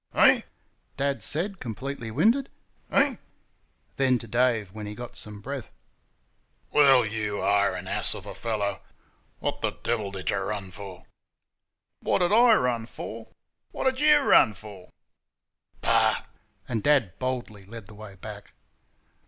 "Eh?" Dad said, completely winded "Eh?" Then to Dave, when he got some breath: "Well, you ARE an ass of a fellow. (PUFF!). What th' DEVIL did y' RUN f'?" "Wot did I run f'? What did YOU run f'?" "Bah!" and Dad boldly led the way back.